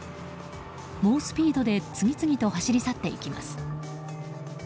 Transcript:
猛スピードで次々と走り去っていきます。